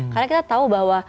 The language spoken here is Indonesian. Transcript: karena kita tahu bahwa